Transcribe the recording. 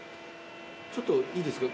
ちょっといいですか。